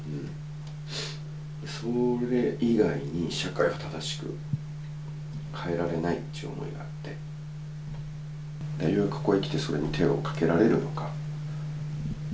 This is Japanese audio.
それ以外に社会を正しく変えられないという思いがあって、ようやくここへきて、それに手をかけられるのか。